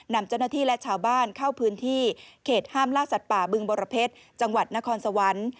นำเจ้าหน้าที่และชาวบ้านเข้าพื้นที่เขตห้ามล่าสัตว์ป่าบึงบรเพชรจังหวัดนครสวรรค์